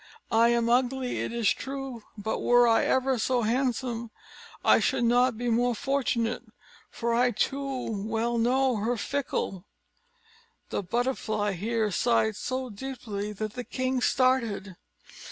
I am ugly, it is true; but were I ever so handsome, I should not be more fortunate, for I too well know her fickle " The butterfly here sighed so deeply, that the king started.